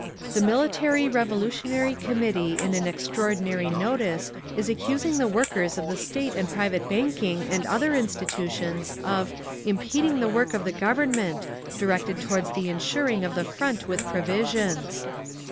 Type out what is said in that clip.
"The Military Revolutionary Committee in an 'extraordinary notice' is accusing the workers of the State and private banking and other institutions of 'impeding the work of the Government, directed towards the ensuring of the Front with provisions.